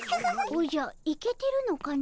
おじゃイケてるのかの？